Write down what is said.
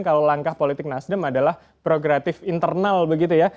kalau langkah politik nasdem adalah progratif internal begitu ya